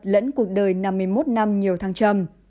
lẫn cuộc đời năm mươi một năm nhiều thăng trầm